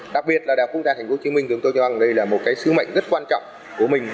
đặc biệt là đà phúc đà thành phố hồ chí minh chúng tôi cho rằng đây là một cái sứ mệnh rất quan trọng của mình